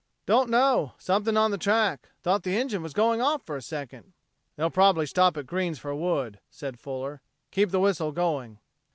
"Don't know. Something on the track. Thought the engine was going off for a second." "They'll probably stop at Green's for wood," said Fuller. "Keep the whistle going."